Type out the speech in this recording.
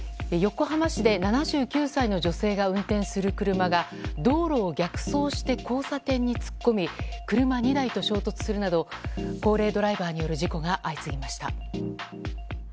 横浜市で７９歳の女性が運転する車が道路を逆走して交差点に突っ込み車２台と衝突するなど高齢ドライバーによる事故が相次ぎました。